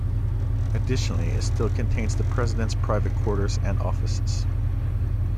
Additionally, it still contains the president's private quarters and offices.